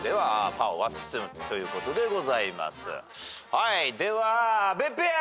はいでは阿部ペア。